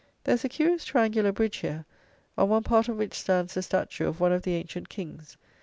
There is a curious triangular bridge here, on one part of which stands the statue of one of the ancient kings.